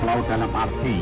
beri duit di bawah ini